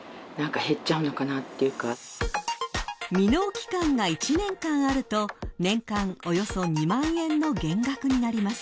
［未納期間が１年間あると年間およそ２万円の減額になります］